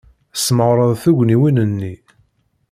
Tesmeɣreḍ tugniwin-nni.